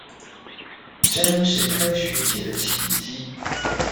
真是科學界的奇蹟